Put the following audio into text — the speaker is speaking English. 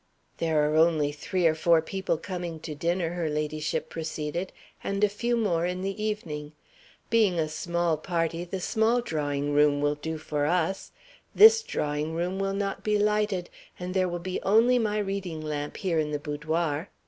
"There are only three or four people coming to dinner," her ladyship proceeded; "and a few more in the evening. Being a small party, the small drawing room will do for us. This drawing room will not be lighted, and there will be only my reading lamp here in the boudoir.